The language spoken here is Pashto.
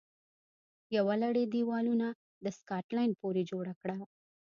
یوه لړۍ دېوالونه د سکاټلند پورې جوړه کړه